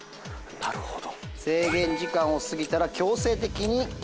なるほど。